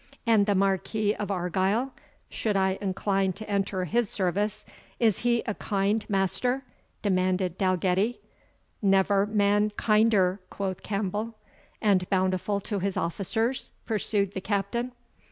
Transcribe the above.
"And the Marquis of Argyle should I incline to enter his service, is he a kind master?" demanded Dalgetty. "Never man kinder," quoth Campbell. "And bountiful to his officers?" pursued the Captain.